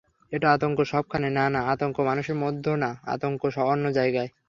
একটা আতঙ্ক সবখানে—না না, আতঙ্ক মানুষের মধ্যে না, আতঙ্ক অন্য জায়গায়।